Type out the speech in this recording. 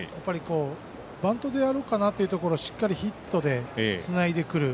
バントでやろうかなというところをしっかりヒットでつないでくる。